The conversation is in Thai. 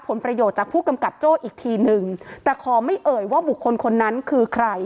ผลประโยชน์จากผู้กำกับโจ้อีกทีนึงแต่ขอไม่เอ่ยว่าบุคคลคนนั้นคือใคร